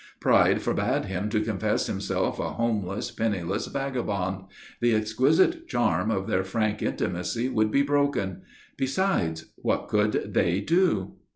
Pride forbade him to confess himself a homeless, penniless vagabond. The exquisite charm of their frank intimacy would be broken. Besides, what could they do?